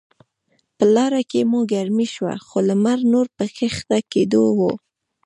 په لاره کې مو ګرمي شوه، خو لمر نور په کښته کیدو و.